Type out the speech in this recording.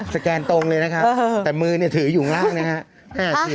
สแกนตรงเลยนะฮะแต่มือเนี้ยถือยู่ล่างนะฮะ